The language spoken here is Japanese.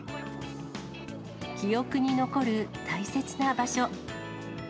記憶に残る大切な場所。